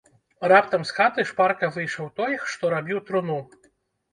Раптам з хаты шпарка выйшаў той, што рабіў труну.